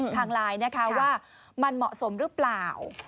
ทางไลน์นะคะว่ามันเหมาะสมหรือเปล่า